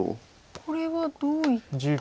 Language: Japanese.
これはどういった？